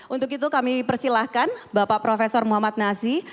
untuk itu kami persilahkan bapak profesor muhammad nazi